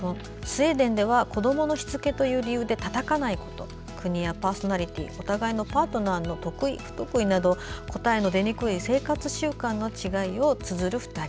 スウェーデンでは子どものしつけという理由でたたかないこと国やパーソナリティーお互いのパートナーの得意不得意など答えが出にくい生活習慣の違いをつづる２人。